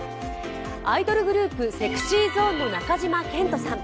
アイドルグループ、ＳｅｘｙＺｏｎｅの中島健人さん。